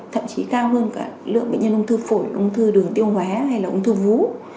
thậm chí cao hơn cả lượng bệnh nhân ung thư phổi ung thư đường tiêu hóa hay là ung thư vú